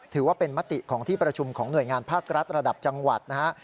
ถือว่าเป็นมติของที่ประชุมของหน่วยงานภาครัฐระดับจังหวัดนะฮะ